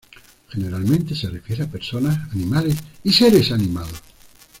Generalmente se refiere a personas, animales y seres animados.